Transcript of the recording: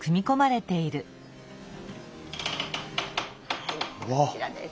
はいこちらです。